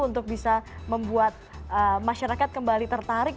untuk bisa membuat masyarakat kembali tertarik